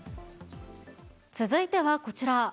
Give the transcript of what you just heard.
続いてはこちら。